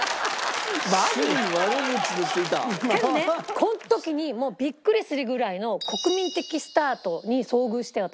この時にもうビックリするぐらいの国民的スターに遭遇して私。